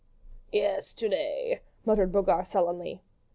"Yes, to day," muttered Brogard, sullenly.